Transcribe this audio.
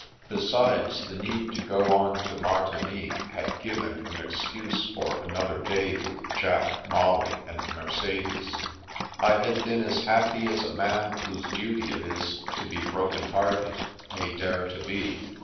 Besides, the need to go on to Martigny had given an excuse for another day witli Jack, Molly, and Mercedes. I had been as happy as a man whose duty it is to 88 The Making of a Mystery 89 be broken hearted, may dare to be.